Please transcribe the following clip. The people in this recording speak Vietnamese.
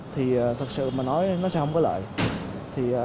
thì thật sự mà nói nó sẽ không có lợi